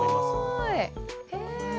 すごい。